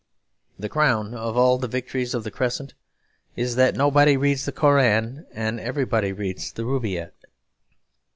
The crown of all the victories of the Crescent is that nobody reads the Koran and everybody reads the Rubaiyat.